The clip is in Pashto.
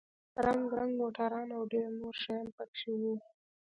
رنگ رنگ موټران او ډېر نور شيان پکښې وو.